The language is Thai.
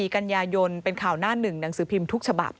กันยายนเป็นข่าวหน้าหนึ่งหนังสือพิมพ์ทุกฉบับ